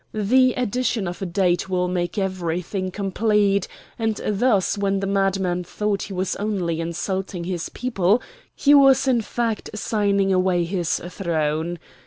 The addition of a date will make everything complete; and thus when the madman thought he was only insulting his people, he was in fact signing away his throne.